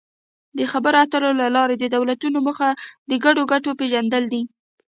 د خبرو اترو له لارې د دولتونو موخه د ګډو ګټو پېژندل دي